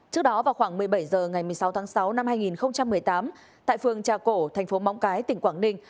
trước đó vào khoảng một mươi bảy h ngày một mươi sáu tháng sáu năm hai nghìn một mươi tám tại phường trà cổ thành phố móng cái tỉnh quảng ninh